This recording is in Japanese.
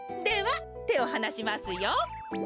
ではてをはなしますよ。